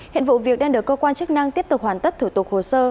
hiện vụ việc đang được cơ quan chức năng tiếp tục hoàn tất thủ tục hồ sơ